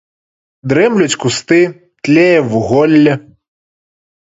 Дрэмлюць кусты, тлее вуголле.